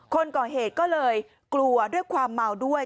คนก่อเหตุก็เลยกลัวด้วยความเมาด้วย